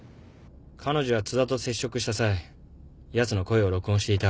彼女は津田と接触した際やつの声を録音していた。